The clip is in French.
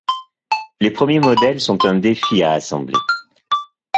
Les premiers modèles sont un défi à assembler.